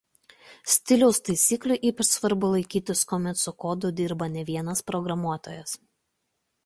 Stiliaus taisyklių ypač svarbu laikytis kuomet su kodu dirba ne vienas programuotojas.